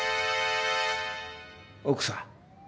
奥さん。